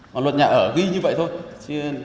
mà luật nhà ở ghi như vậy thôi